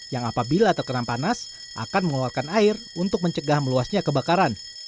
yang apabila terkenam panas akan mengeluarkan air untuk mencegah meluasnya kebakaran